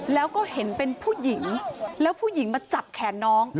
แล้วก็เห็นเป็นผู้หญิงแล้วผู้หญิงมาจับแขนน้อง